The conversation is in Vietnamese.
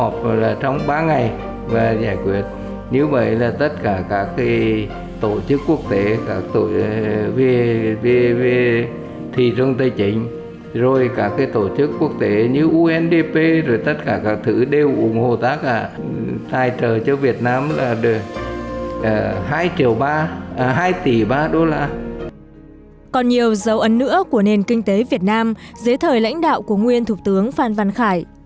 còn nhiều dấu ấn nữa của nền kinh tế việt nam dưới thời lãnh đạo của nguyên thủ tướng phan văn khải